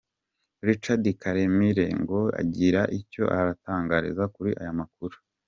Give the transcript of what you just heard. Richard Karemire, ngo agire icyo arutangariza kuri aya makuru.